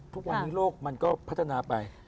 ทุกวันนี้โลกมันก็พัฒนาไป